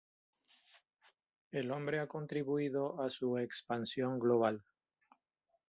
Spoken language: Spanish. El hombre a contribuido a su expansión global.